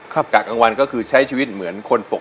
กะกลางวันก็คือใช้ชีวิตเหมือนคนปก